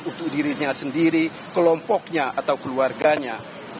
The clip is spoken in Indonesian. untuk dirinya sendiri kelompoknya atau keluarganya